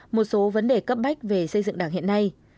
một số vấn đề cấp bách về xây dựng đảng hiện nay